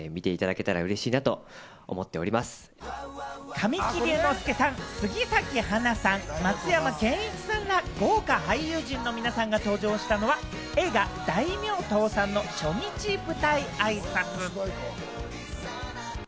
神木隆之介さん、杉咲花さん、松山ケンイチさんら豪華俳優陣の皆さんが登場したのは、映画『大名倒産』の初日舞台あいさつ。